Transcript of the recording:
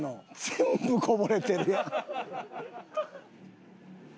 全部こぼれてるやん。